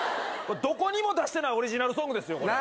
⁉どこにも出してないオリジナルソングですよ